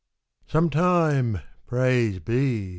Sometime, praise be